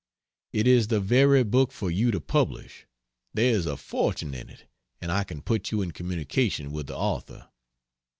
It is the very book for you to publish; there is a fortune in it, and I can put you in communication with the author."